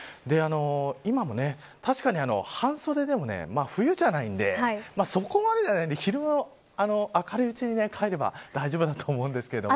今も確かに半袖でも冬じゃないのでそこまでではないんですけど昼の明るいうちに帰れば大丈夫だと思うんですけど。